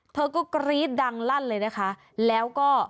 เธอก็กรี๊ดดังลั่นเลยนะคะแล้วก็